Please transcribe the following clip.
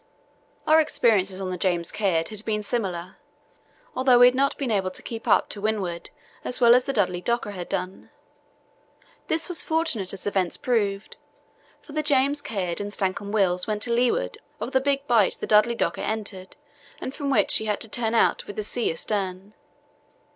Our experiences on the James Caird had been similar, although we had not been able to keep up to windward as well as the Dudley Docker had done. This was fortunate as events proved, for the James Caird and Stancomb Wills went to leeward of the big bight the Dudley Docker entered and from which she had to turn out with the sea astern.